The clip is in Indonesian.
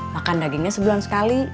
makan dagingnya sebulan sekali